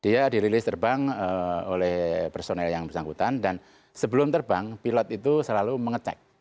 dia dirilis terbang oleh personel yang bersangkutan dan sebelum terbang pilot itu selalu mengecek